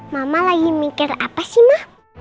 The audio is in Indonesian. mama lagi mikir apa sih mah